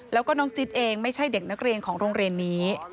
แล้วก็น้องจิ๊ดเองไม่ใช่เด็กนักเรียนของโรงเรียนนี้